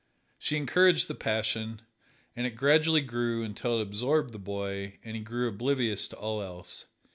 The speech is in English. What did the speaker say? She encouraged the passion, and it gradually grew until it absorbed the boy and he grew oblivious to all else.